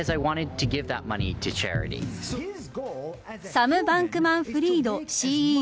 サム・バンクマンフリードＣＥＯ